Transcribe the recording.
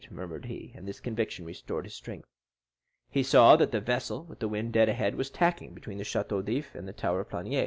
murmured he. And this conviction restored his strength. He soon saw that the vessel, with the wind dead ahead, was tacking between the Château d'If and the tower of Planier.